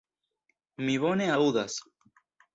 Mi bone aŭdas.